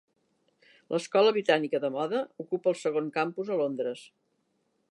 L"Escola Britànica de Moda ocupa un segon campus a Londres.